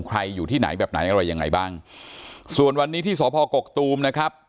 ใครอยู่ที่ไหนแบบไหนอะไรยังไงบ้างส่วนวันนี้ที่สพกกตูมนะครับ